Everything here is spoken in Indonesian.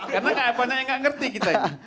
karena banyak yang gak ngerti kita ini